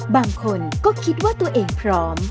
บางคนก็คิดว่าตัวเองพร้อม